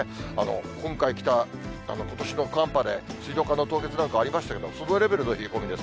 今回来たことしの寒波で、水道管の凍結なんかありましたけど、そのレベルの冷え込みです。